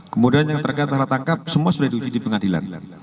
kemudian yang terkait secara tangkap semua sudah diuji di pengadilan